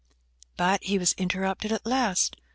But he was interrupted at last.